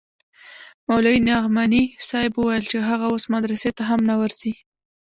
مولوي نعماني صاحب وويل چې هغه اوس مدرسې ته هم نه ورځي.